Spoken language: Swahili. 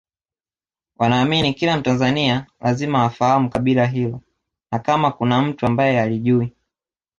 wanaamini kila mtanzania lazima afahamu kabila hilo na kama kuna mtu ambaye halijui